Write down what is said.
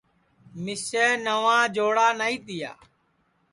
مِسیں نواں جوڑا نائی تِیا